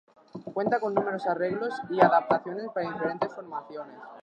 Cuenta con numerosos arreglos y adaptaciones para diferentes formaciones.